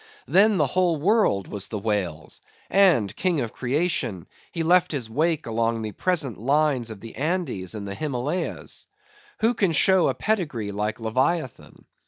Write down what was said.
Then the whole world was the whale's; and, king of creation, he left his wake along the present lines of the Andes and the Himmalehs. Who can show a pedigree like Leviathan?